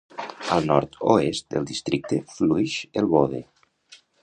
Al nord-oest del districte fluïx el Bode.